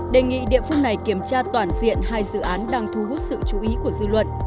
đề nghị địa phương này kiểm tra toàn diện hai dự án đang thu hút sự chú ý của dư luận